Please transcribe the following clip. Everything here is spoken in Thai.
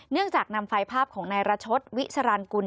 เนื่องจากนำไฟภาพของนายรัชศวิสรรคุณ